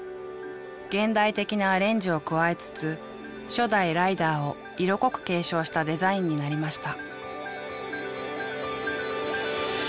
現代的なアレンジを加えつつ初代ライダーを色濃く継承したデザインになりました。